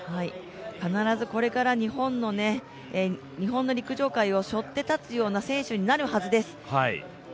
必ずこれから日本の陸上界を背負って立つような選手になるはずです。